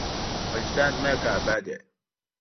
افغانستان زما کعبه ده